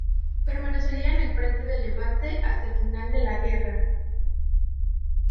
Permanecería en el Frente de Levante hasta el final de la guerra.